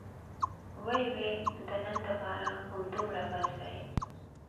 ويې ويل د نن دپاره همدومره بس دى.